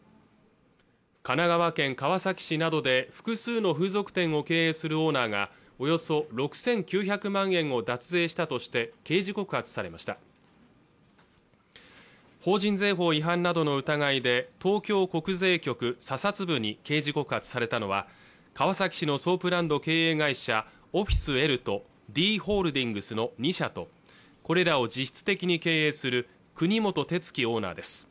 神奈川県川崎市などで複数の風俗店を経営するオーナーがおよそ６９００万円を脱税したとして刑事告発されました法人税法違反などの疑いで東京国税局査察部に刑事告発されたのは川崎市のソープランド経営会社オフィスＬとＤホールディングスの２社とこれらを実質的に経営する国本哲樹オーナーです